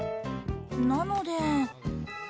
なので。